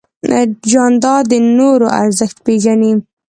جانداد د نورو ارزښت پېژني.